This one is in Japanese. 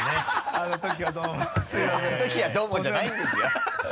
「あのときはどうも」じゃないんですよ。